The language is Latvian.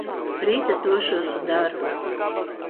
Rīt es došos uz darbu.